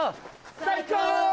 最高！